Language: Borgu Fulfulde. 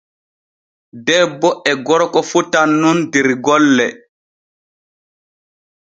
Debbo e gorko fotan nun der golle.